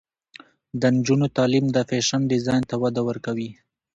د نجونو تعلیم د فیشن ډیزاین ته وده ورکوي.